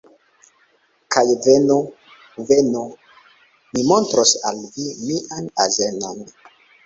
Kaj venu. Venu. Mi montros al vi mian azenon.